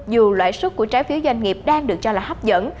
dù lãi suất của trái phiếu doanh nghiệp đang được cho là hấp dẫn